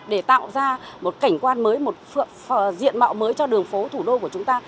để tạo ra một cảnh quan mới một diện mạo mới cho đường phố thủ đô của chúng ta